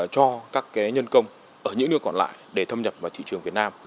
cho các nhân công ở những nơi còn lại để thâm nhập vào thị trường việt nam